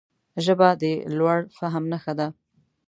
ژبه د لوړ فهم نښه ده